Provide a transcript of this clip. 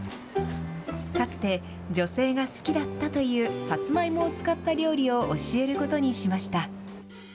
かつて、女性が好きだったという、さつまいもを使った料理を教えることにしました。